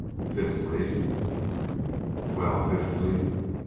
Fifthly " "Well, fifthly?"